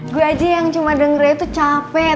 gue aja yang cuma dengerin itu capek